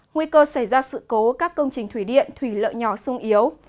nguy cơ xảy ra sự cố các công trình thủy điện thủy lợi nhỏ sung yếu